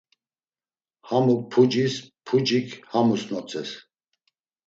Hamuk pucis, pucik hamus notzes.